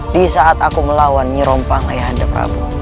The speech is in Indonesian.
di saat aku melawan nyerompang ayahanda prabu